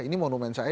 ini monumen saya